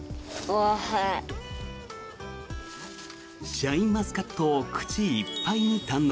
シャインマスカットを口いっぱいに堪能。